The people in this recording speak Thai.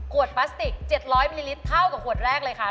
พลาสติก๗๐๐มิลลิลิตรเท่ากับขวดแรกเลยค่ะ